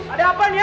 ada apaan ya